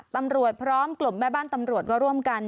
ตำรวจพร้อมกลมแม่บ้านตำรวจว่าร่วมกัน